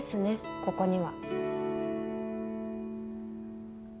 ここには。